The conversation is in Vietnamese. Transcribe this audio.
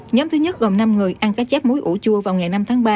nhóm thứ nhất gồm năm người ăn cá chép muối ủ chua vào ngày năm tháng ba